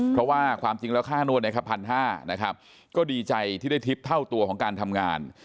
เพราะว่าความจริงแล้วค่าโน้นในคับพันห้านะครับก็ดีใจที่ได้ทริปเท่าตัวของการทำงาน